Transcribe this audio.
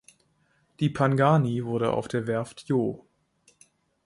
Die Pangani wurde auf der Werft Joh.